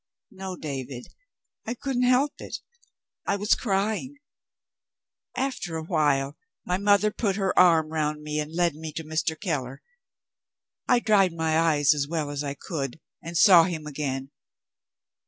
"No, David. I couldn't help it I was crying. After a while, my mother put her arm round me and led me to Mr. Keller. I dried my eyes as well as I could, and saw him again.